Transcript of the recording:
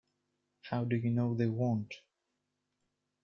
How do you know they won't?